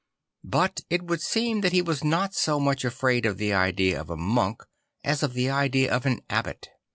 But it would seem that he was not so much afraid of the idea of a monk as of the idea of an abbot.